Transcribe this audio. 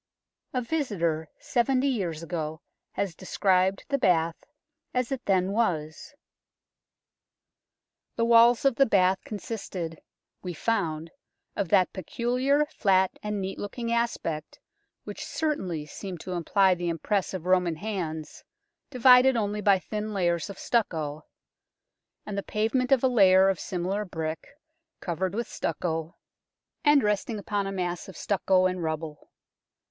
A visitor seventy years ago has described the bath as it then was. " The walls of the bath consisted, we found, of that peculiar flat and neat looking aspect which certainly seemed to imply the impress of Roman hands, divided only by thin layers of stucco ; and the pavement of a layer of similar brick, covered with stucco, LONDON'S ROMAN BATHS 105 and resting upon a mass of stucco and rubble.